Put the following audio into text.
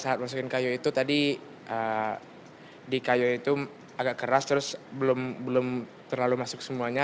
saat masukin kayu itu tadi di kayu itu agak keras terus belum terlalu masuk semuanya